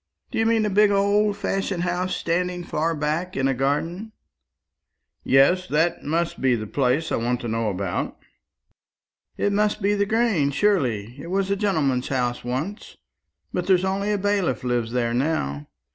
Do you mean a big old fashioned house standing far back in a garden?" "Yes; that must be the place I want to know about." "It must be the Grange, surely. It was a gentleman's house once; but there's only a bailiff lives there now.